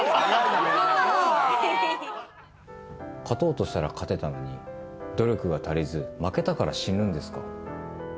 「勝とうとしたら勝てたのに努力が足りず負けたから死ぬんですか？」